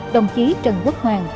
đồng chí trần quốc hoàn